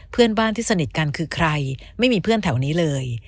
เพื่อนบ้านที่สนิทกันคือใครไม่มีเพื่อนแถวนี้เลย